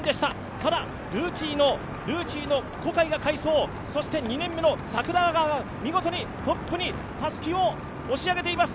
ただ、ルーキーの小海が快走、そして２年目の櫻川が見事にトップにたすきを押し上げています。